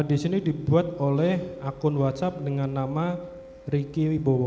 di sini dibuat oleh akun whatsapp dengan nama ricky wibowo